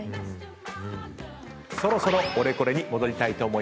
そろそろオレコレに戻りたいと。